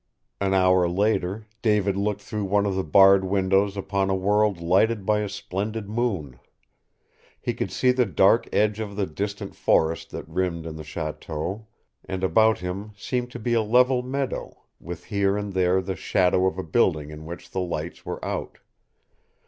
An hour later David looked through one of the barred windows upon a world lighted by a splendid moon. He could see the dark edge of the distant forest that rimmed in the chateau, and about him seemed to be a level meadow, with here and there the shadow of a building in which the lights were out.